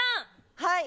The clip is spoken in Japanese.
はい。